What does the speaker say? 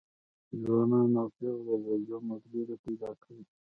ځوانان او پېغلې د ژوند ملګري پیدا کوي.